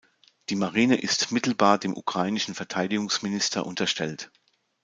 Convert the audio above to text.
Die Marine ist mittelbar dem ukrainischen Verteidigungsminister unterstellt.